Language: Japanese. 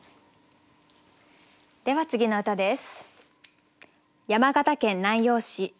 では次の歌です。